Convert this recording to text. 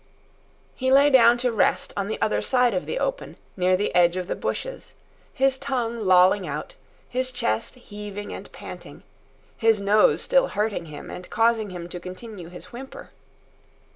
He lay down to rest on the other side of the open, near the edge of the bushes, his tongue lolling out, his chest heaving and panting, his nose still hurting him and causing him to continue his whimper.